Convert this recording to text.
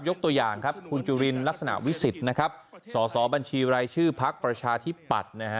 ยกตัวอย่างครับคุณจุลินลักษณะวิสิตสสบัญชีรายชื่อภาคประชาที่ปัด